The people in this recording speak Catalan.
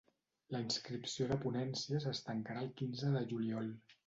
La inscripció de ponències es tancarà el quinze de juliol.